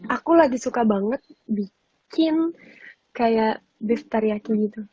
aku lagi suka banget bikin kayak beef tariyaki gitu